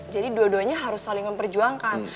jadi dua duanya harus saling memperjuangkan